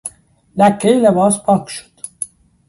لکهٔ لباس پاک شد.